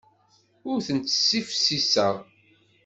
Ur tent-ssifsiseɣ.